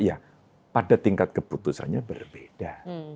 ya pada tingkat keputusannya berbeda